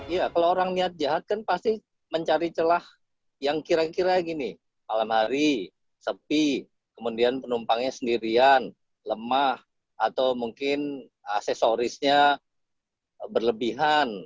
ya kalau orang niat jahat kan pasti mencari celah yang kira kira gini malam hari sepi kemudian penumpangnya sendirian lemah atau mungkin aksesorisnya berlebihan